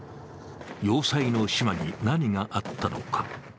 要塞の島に何があったのか。